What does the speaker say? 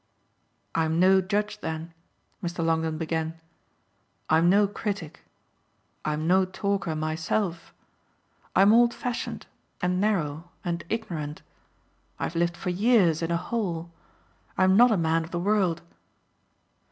"I'm no judge then," Mr. Longdon began; "I'm no critic; I'm no talker myself. I'm old fashioned and narrow and ignorant. I've lived for years in a hole. I'm not a man of the world."